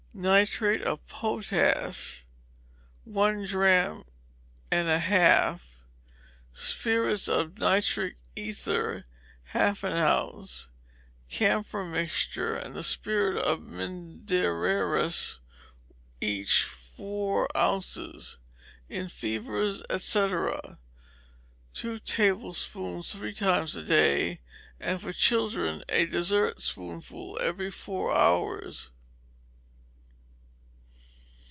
Nitrate of potass, one drachm and a half; spirits of nitric ether, half an ounce; camphor mixture, and the spirit of mindererus, each four ounces: in fevers, &c. two tablespoonfuls, three times a day, and for children a dessertspoonful every four hours.